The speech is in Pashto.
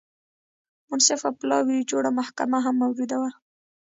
منصفه پلاوي جوړه محکمه هم موجوده وه.